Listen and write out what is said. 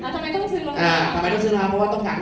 อ๋อทำไมต้องซื้อรองเท้า